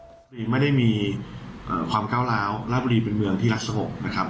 บุรีไม่ได้มีความก้าวร้าวราชบุรีเป็นเมืองที่รักสงบนะครับ